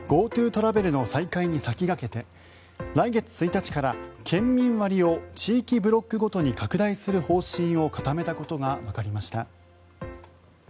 ＧｏＴｏトラベルの再開に先駆けて来月１日から県民割を地域ブロックごとに拡大する方針を固めたことがわかりました。